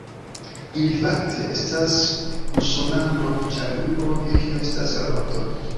Ili fakte, estas usonanoj ĉar mi povis, kio estas la vorto?